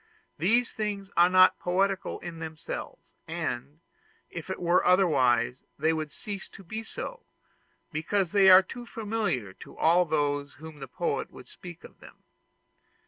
These things are not poetical in themselves; and, if it were otherwise, they would cease to be so, because they are too familiar to all those to whom the poet would speak of them.